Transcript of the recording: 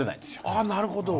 ああなるほど。